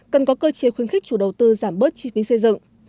cần có cơ chế khuyến khích chủ đầu tư giảm bớt chi phí xây dựng